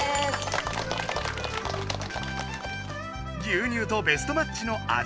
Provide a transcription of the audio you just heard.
牛乳とベストマッチの味